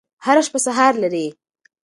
هره شپه سهار لري.